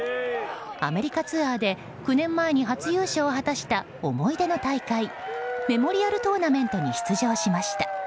アメリカツアーで９年前に初優勝を果たした思い出の大会メモリアルトーナメントに出場しました。